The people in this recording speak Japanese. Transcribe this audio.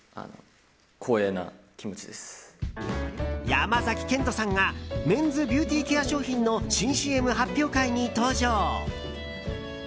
山崎賢人さんがメンズビューティーケア商品の新ＣＭ発表会に登場。